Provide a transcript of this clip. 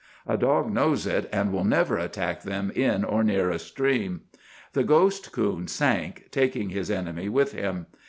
A dog knows it, and will never attack them in or near a stream. The ghost coon sank, taking his enemy with him.